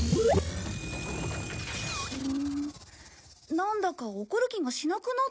なんだか怒る気がしなくなった。